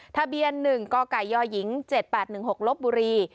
ทะเบียน๑กกยหญิง๗๘๑๖ลบบุรี